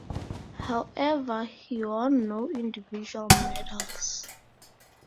However, he won no individual medals.